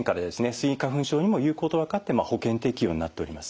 スギ花粉症にも有効と分かって保険適用になっております。